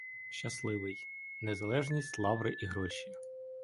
Щасливий: незалежність, лаври і гроші.